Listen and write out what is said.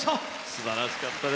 すばらしかったです。